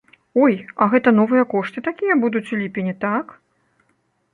Ой, а гэта новыя кошты такія будуць у ліпені, так?